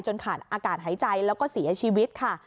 ขาดอากาศหายใจแล้วก็เสียชีวิตค่ะ